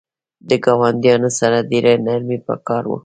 د ګاونډیانو سره ډیره نرمی پکار ده